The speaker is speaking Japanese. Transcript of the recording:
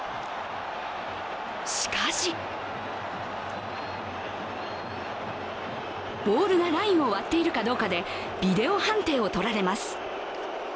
しかしボールがラインを割っているかどうかでビデオ判定をとられます。